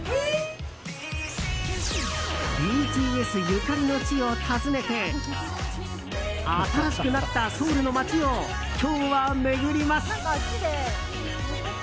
ＢＴＳゆかりの地を訪ねて新しくなったソウルの街を今日は巡ります。